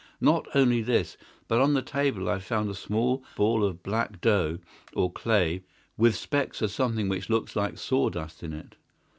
Not only this, but on the table I found a small ball of black dough, or clay, with specks of something which looks like sawdust in it.